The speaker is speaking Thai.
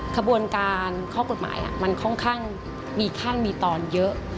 ขบวนการข้อกฎหมายมันค่อนข้างมีขั้นมีตอนเยอะ